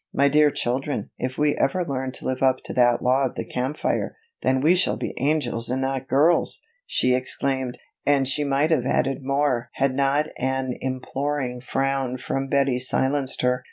"My dear children, if we ever learn to live up to that law of the Camp Fire, then shall we be angels and not girls!" she exclaimed. And she might have added more had not an imploring frown from Betty silenced her.